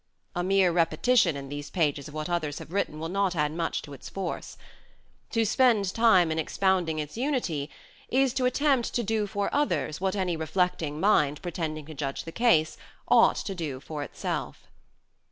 A mere repetition in these pages of what others have written will not add much to its force ; to spend time in expounding its unity is to attempt to do for others 26 " SHAKESPEARE " IDENTIFIED what any reflecting mind pretending to judge the case ought to do for itself.